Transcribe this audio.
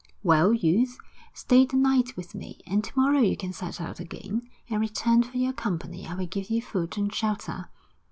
'Well, youth, stay the night with me, and to morrow you can set out again. In return for your company I will give you food and shelter.'